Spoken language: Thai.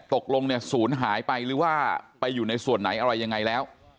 ตกลงเนี่ยศูนย์หายไปหรือว่าไปอยู่ในส่วนไหนอะไรยังไงแล้ว